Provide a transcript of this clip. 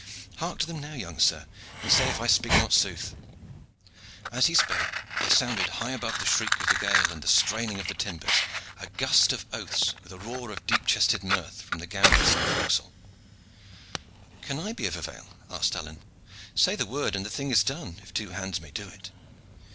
Hark to them now, young sir, and say if I speak not sooth." As he spoke, there sounded high above the shriek of the gale and the straining of the timbers a gust of oaths with a roar of deep chested mirth from the gamblers in the forecastle. "Can I be of avail?" asked Alleyne. "Say the word and the thing is done, if two hands may do it."